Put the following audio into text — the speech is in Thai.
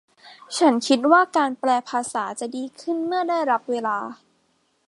ฉันคิดว่าการแปลภาษาจะดีขึ้นเมื่อได้รับเวลา